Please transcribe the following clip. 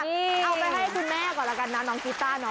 เอาไปให้คุณแม่ก่อนแล้วกันนะน้องกีต้าเนอ